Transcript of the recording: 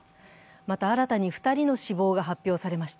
また、新たに２人の死亡が発表されました。